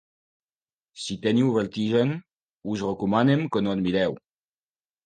Si teniu vertigen, us recomanem que no el mireu.